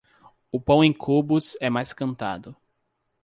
O pão em cubos é mais cantado.